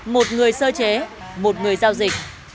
một người sơ chế một người giao dịch